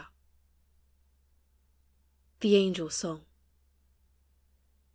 THE ANGELS' SONG.